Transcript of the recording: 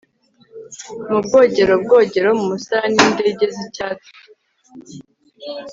mu bwogerobwogero mu musarani nindege zicyatsi